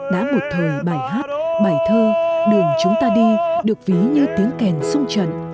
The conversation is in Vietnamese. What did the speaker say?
đã một thời bài hát bài thơ đường chúng ta đi được ví như tiếng kèn sung trận